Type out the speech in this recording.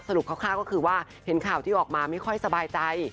คร่าวก็คือว่าเห็นข่าวที่ออกมาไม่ค่อยสบายใจ